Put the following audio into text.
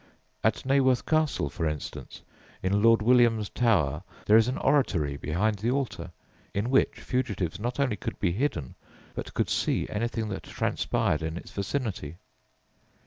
At Naworth Castle, for instance, in "Lord William's Tower," there is an oratory behind the altar, in which fugitives not only could be hidden but could see anything that transpired in its vicinity.